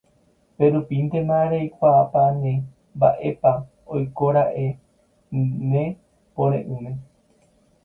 pérupintema reikuaapáne mba'épa oikóra'e ne pore'ỹme